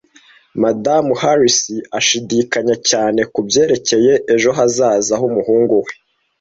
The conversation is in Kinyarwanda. Madamu Harris ashidikanya cyane kubyerekeye ejo hazaza h'umuhungu we.